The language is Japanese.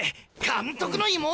監督の妹！？